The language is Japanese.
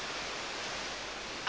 あ！